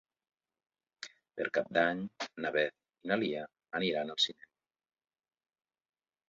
Per Cap d'Any na Beth i na Lia aniran al cinema.